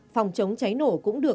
phòng chống cháy nổ cũng được